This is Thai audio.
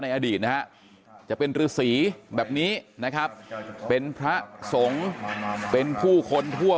อดีตนะฮะจะเป็นฤษีแบบนี้นะครับเป็นพระสงฆ์เป็นผู้คนทั่ว